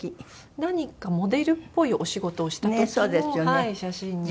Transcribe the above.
何かモデルっぽいお仕事をした時の写真です。